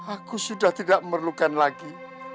aku sudah tidak memerlukan lagi